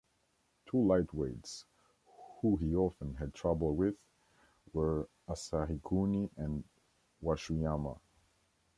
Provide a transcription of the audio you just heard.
Two lightweights who he often had trouble with were Asahikuni and Washuyama.